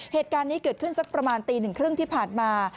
เหตุการณ์นี้เกิดขึ้นสักประมาณตี๑๓๐ที่ผ่านมา